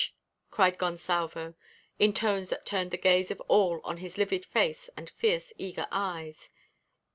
_" cried Gonsalvo, in tones that turned the gaze of all on his livid face and fierce eager eyes.